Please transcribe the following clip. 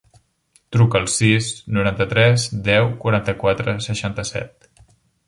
Truca al sis, noranta-tres, deu, quaranta-quatre, seixanta-set.